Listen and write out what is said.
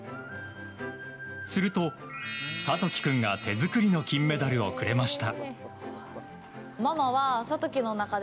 すると、諭樹君が手作りの金メダルをくれました。